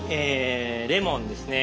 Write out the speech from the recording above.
レモンですね。